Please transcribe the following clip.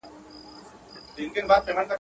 د تيارو اجاره دار محتسب راغى.